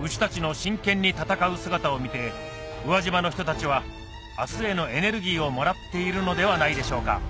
牛たちの真剣に戦う姿を見て宇和島の人たちは明日へのエネルギーをもらっているのではないでしょうか